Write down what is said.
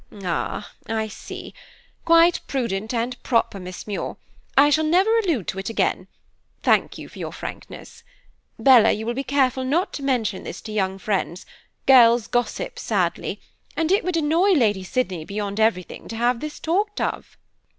"Ah, I see. Quite prudent and proper, Miss Muir. I shall never allude to it again. Thank you for your frankness. Bella, you will be careful not to mention this to young friends; girls gossip sadly, and it would annoy Lady Sydney beyond everything to have this talked of."